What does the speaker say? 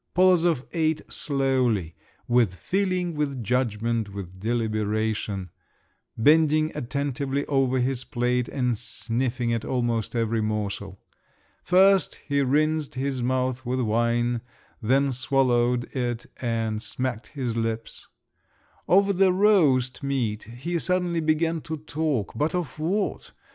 Polozov ate slowly, "with feeling, with judgment, with deliberation," bending attentively over his plate, and sniffing at almost every morsel. First he rinsed his mouth with wine, then swallowed it and smacked his lips…. Over the roast meat he suddenly began to talk—but of what?